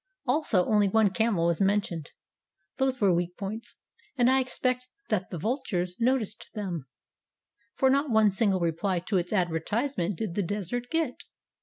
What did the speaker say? Also only one camel was mentioned. These were weak points, and I expect that the vultures noticed them, for not one single reply to its advertisement did the Desert get.